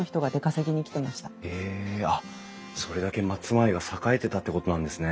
へえあっそれだけ松前が栄えてたってことなんですね。